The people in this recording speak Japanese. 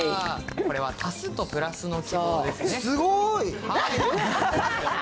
これは足すとプラスの記号ですね。